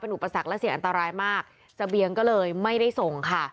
เป็นอุปสรรคและเสี่ยงอันตรายมาก